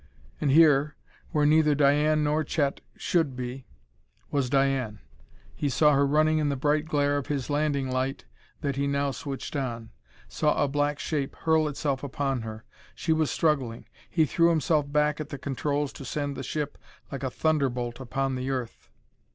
And here, where neither Diane nor Chet should be, was Diane. He saw her running in the bright glare of his landing light that he now switched on; saw a black shape hurl itself upon her; she was struggling. He threw himself back at the controls to send the ship like a thunderbolt upon the earth.